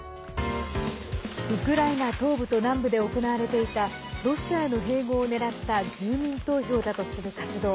ウクライナ東部と南部で行われていたロシアへの併合を狙った住民投票だとする活動。